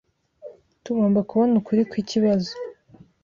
Tugomba kubona ukuri kwikibazo.